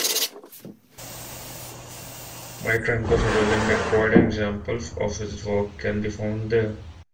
Dmytrenko settled in Detroit and examples of his work can be found there.